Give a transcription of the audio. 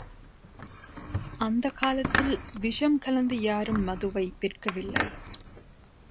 அந்தக் காலத்தில் விஷம் கலந்து யாரும் மதுவை விற்கவில்லை.